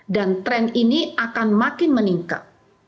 dan tren ini akan makin meningkat